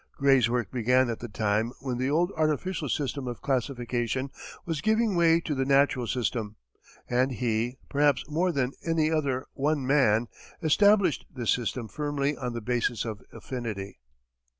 Gray's work began at the time when the old artificial system of classification was giving way to the natural system, and he, perhaps more than any other one man, established this system firmly on the basis of affinity.